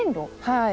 はい。